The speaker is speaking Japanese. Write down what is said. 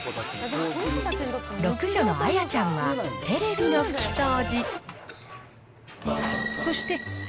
六女のあやちゃんはテレビの拭き掃除。